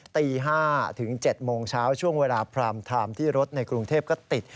ตี๕ถึง๗โมงเช้าช่วงเวลาพรามไทม์ที่รถในกรุงเทพก็ติด